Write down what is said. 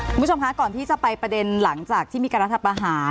คุณผู้ชมคะก่อนที่จะไปประเด็นหลังจากที่มีการรัฐประหาร